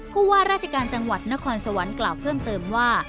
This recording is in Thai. ผู้ว่าราชการจังหวัดนครสวรรค์กล่าวเพิ่มเติมว่า